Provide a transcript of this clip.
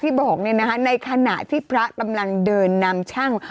ที่บอกในนะฮะในขณะที่พระตำรังเดินนำช่าง